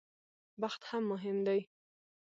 بخت هم مهم دی.